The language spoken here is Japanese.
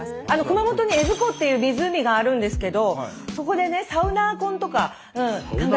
熊本に江津湖っていう湖があるんですけどそこでねサウナ婚とか考えてますので。